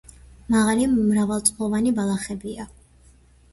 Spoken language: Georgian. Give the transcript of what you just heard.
მაღალი მრავალწლოვანი ბალახებია.